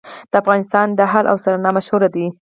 د افغانستان دهل او سرنا مشهور دي